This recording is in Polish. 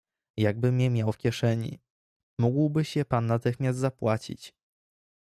"Jakbym je miał w kieszeni; mógłbyś je pan natychmiast zapłacić."